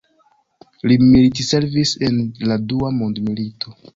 Li militservis en la Dua Mondmilito.